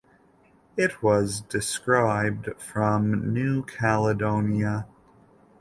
It was described from New Caledonia.